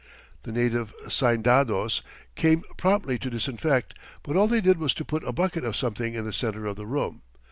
The native saindados came promptly to disinfect, but all they did was to put a bucket of something in the center of the room.